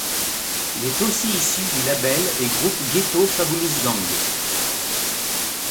Il est aussi issu du label et groupe Ghetto Fabulous Gang.